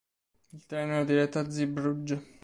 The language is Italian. Il treno era diretto a Zeebrugge.